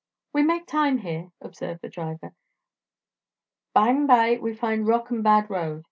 "We make time here," observed the driver. "By'm by we find rock an' bad road.